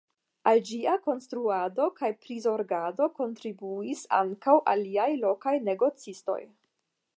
Al ĝia konstruado kaj prizorgado kontribuis ankaŭ aliaj lokaj negocistoj.